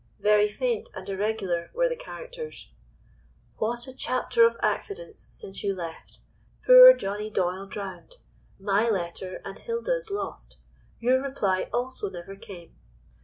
Very faint and irregular were the characters:— "What a chapter of accidents since you left! Poor Johnny Doyle drowned! my letter and Hilda's lost. Your reply also never came.